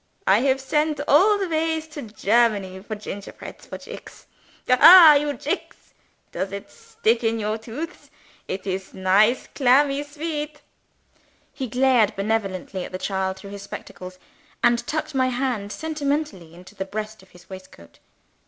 I have sent all the ways to Germany for gingerbreads for Jick. Aha, you Jick! does it stick in your tooths? Is it nice clammy sweet?" He glared benevolently at the child through his spectacles; and tucked my hand sentimentally into the breast of his waistcoat.